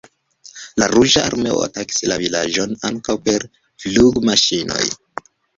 La Ruĝa Armeo atakis la vilaĝon ankaŭ per flugmaŝinoj.